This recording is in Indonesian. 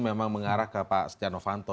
memang mengarah ke pak stiano vanto